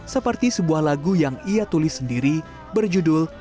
seperti sebuah lagu yang ia tulis sendiri berjudul